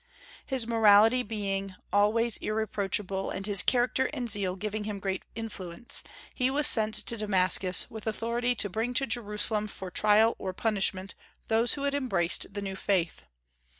His morality being always irreproachable, and his character and zeal giving him great influence, he was sent to Damascus, with authority to bring to Jerusalem for trial or punishment those who had embraced the new faith.